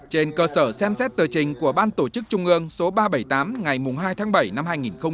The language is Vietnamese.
trên cơ sở xem xét tờ trình của ban tổ chức trung ương số ba trăm bảy mươi tám ngày hai tháng bảy năm hai nghìn một mươi chín